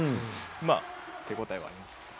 まあ、手応えはありました。